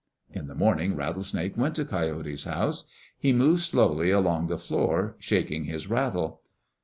In the morning Rattlesnake went to Coyote's house. He moved slowly along the floor, shaking his rattle.